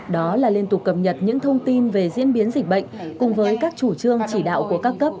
đó là liên tục cập nhật những thông tin về diễn biến dịch bệnh cùng với các chủ trương chỉ đạo của các cấp